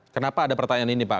kenapa ada pertanyaan ini pak